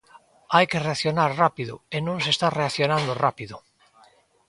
Hai que reaccionar rápido, e non se está reaccionando rápido.